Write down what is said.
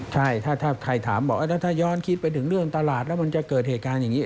ใช่ถ้าใครถามบอกแล้วถ้าย้อนคิดไปถึงเรื่องตลาดแล้วมันจะเกิดเหตุการณ์อย่างนี้